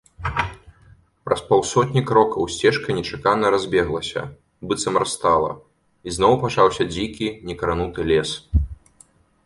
Праз паўсотні крокаў сцежка нечакана разбеглася, быццам растала, і зноў пачаўся дзікі някрануты лес.